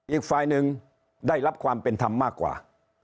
อีกฝ่ายหนึ่งได้รับความเป็นธรรมมากกว่า